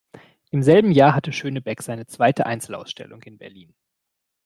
Im selben Jahr hatte Schönebeck seine zweite Einzelausstellung in Berlin.